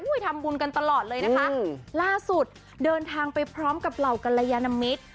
ทำบุญกันตลอดเลยนะคะล่าสุดเดินทางไปพร้อมกับเหล่ากัลยานมิตร